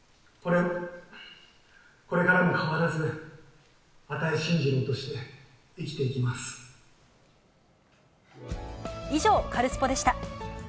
これからも変わらず、以上、カルスポっ！でした。